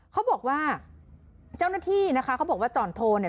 เขาบอกว่าเจ้าหน้าที่นะคะเขาบอกว่าจ่อนโทนเนี่ย